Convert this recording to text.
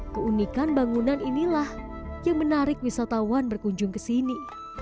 keunikan bangunan inilah yang menarik wisatawan berkunjung ke sini